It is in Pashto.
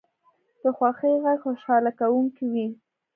د خوښۍ غږ خوشحاله کوونکی وي